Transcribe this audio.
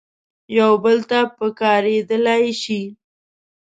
یو بل ته پکارېدلای شي.